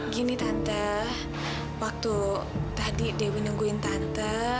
gini tante waktu tadi dewi nungguin tante